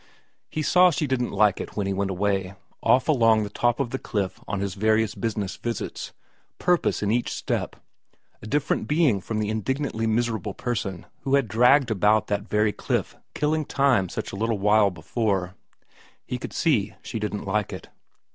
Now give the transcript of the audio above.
He saw she didn't like it when he went away, off along the top of the cliff on his various business visits, purpose in each step, a different being from the indignantly miserable person who had dragged about that very cliff killing time such a little while before ; he could see she didn't like it.